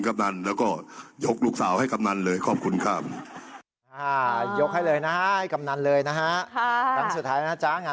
ไม่ที่ถึงตอนจะเป็นงานแต่งงานสุดท้ายก็อาจจะโอเคนะ